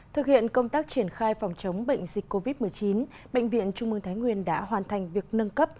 thực hiện công tác triển khai phòng chống bệnh dịch covid một mươi chín bệnh viện trung mương thái nguyên đã hoàn thành việc nâng cấp